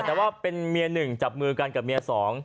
แต่ว่าเป็นเมียหนึ่งจับมือกันกับเมียสอง